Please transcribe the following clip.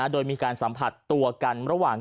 โดยมีการสัมผัสตัวกันระหว่าง